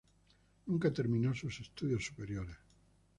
Nunca terminó sus estudios superiores.